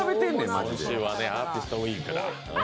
今週はアーティストウィークだ。